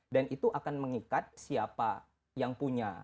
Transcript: dan itu akan mengikat siapa yang punya